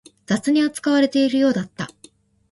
雑に扱われているようだった